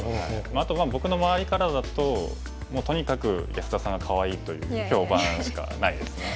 あとは僕の周りからだととにかく安田さんがかわいいという評判しかないですね。